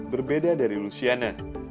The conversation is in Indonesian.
berbeda dari luciana